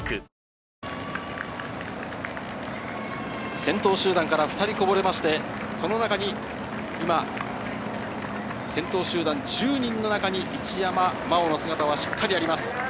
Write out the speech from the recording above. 先頭集団から２人こぼれまして、その中に今、先頭集団１０人の中に一山麻緒の姿はしっかりあります。